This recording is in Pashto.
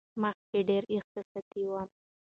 مخکې ډېره احساساتي وم.